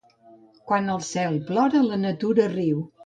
Quan el cel plora, la natura riu.